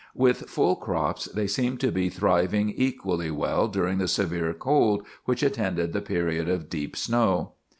With full crops, they seemed to be thriving equally well during the severe cold which attended the period of deep snow.